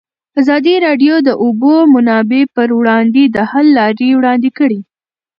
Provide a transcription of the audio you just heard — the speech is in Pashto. ازادي راډیو د د اوبو منابع پر وړاندې د حل لارې وړاندې کړي.